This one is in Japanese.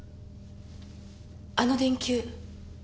あの電球。